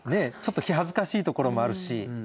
ちょっと気恥ずかしいところもあるし。